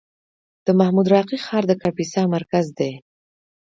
د محمود راقي ښار د کاپیسا مرکز دی